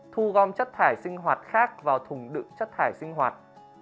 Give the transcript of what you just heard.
một mươi một thu gom chất thải sinh hoạt khác vào thùng đựng chất thải sinh hoạt